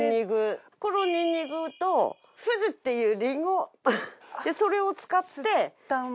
このニンニクとふじっていうリンゴそれを使ってこれ。